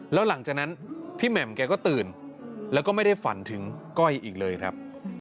แล้วหลังจากนั้นพี่แหม่มแกก็ตื่นแล้วก็ไม่ได้ฝันถึงก้อยอีกเลยครับ